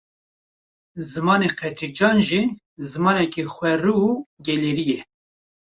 Zimanê Qedrîcan jî, zimanekî xwerû û gelêrî ye